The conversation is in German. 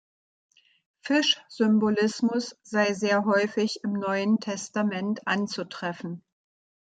Fisch-Symbolismus sei sehr häufig im neuen Testament anzutreffen.